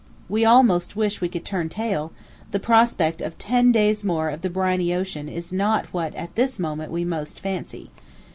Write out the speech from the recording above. We almost wish we could turn tail; the prospect of ten days more of the briny ocean is not what at this moment we most fancy.